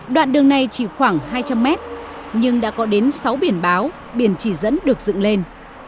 đoạn đường này chỉ khoảng hai trăm linh mét nhưng đã có đến sáu biển báo biển chỉ dẫn được dựng lên